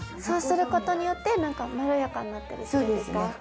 そうすることによってなんかまろやかになったりするんですか。